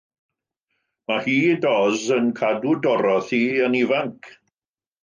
Mae hud Oz yn cadw Dorothy yn ifanc.